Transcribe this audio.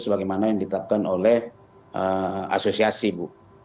sebagaimana yang ditetapkan oleh asosiasi bu